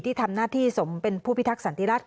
ที่ทำหน้าที่สมเป็นผู้พิทักษณ์สันติรัฐ